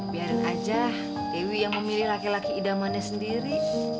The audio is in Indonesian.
biarin aja dewi yang memilih laki laki idamannya sendiri